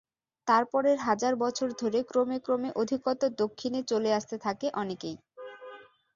তারপরের হাজার বছর ধরে ক্রমে ক্রমে অধিকতর দক্ষিণে চলে আসতে থাকে অনেকেই।